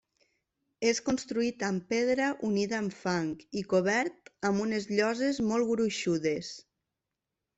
És construït amb pedra, unida amb fang i cobert amb unes lloses molt gruixudes.